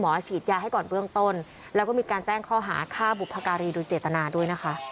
ฉีดยาให้ก่อนเบื้องต้นแล้วก็มีการแจ้งข้อหาฆ่าบุพการีโดยเจตนาด้วยนะคะ